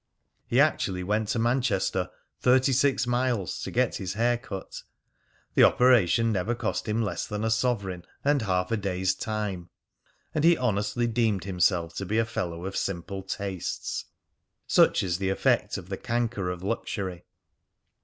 He actually went to Manchester, thirty six miles, to get his hair cut. The operation never cost him less than a sovereign and half a day's time. And he honestly deemed himself to be a fellow of simple tastes! Such is the effect of the canker of luxury.